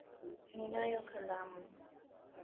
Ninayo kalamu.